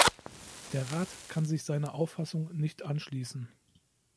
Der Rat kann sich seiner Auffassung nicht anschließen.